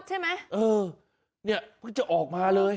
เขาบอกว่ามันแบบ